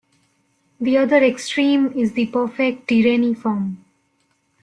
The other extreme is the "perfect tyranny" form.